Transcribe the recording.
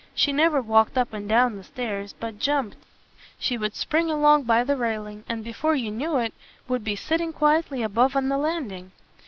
She never walked up and down the stairs, but jumped. She would spring along by the railing, and before you knew it, would be sitting quietly above on the landing.